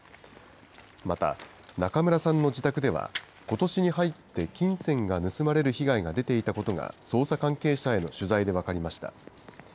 また、中村さんの自宅では、ことしに入って金銭が盗まれる被害が出ていたことが捜査関係者への取材で分かりました。